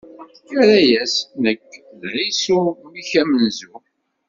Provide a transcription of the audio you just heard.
Irra-yas: Nekk, d Ɛisu, mmi-k amenzu.